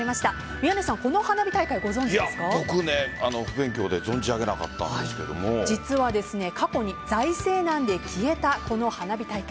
宮根さん、この花火大会不勉強で実は過去に財政難で消えたこの花火大会。